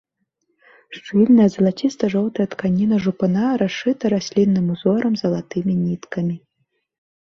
Шчыльная, залаціста-жоўтая тканіна жупана расшыта раслінным узорам залатымі ніткамі.